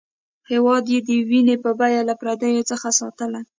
هېواد یې د وینې په بیه له پردیو څخه ساتلی.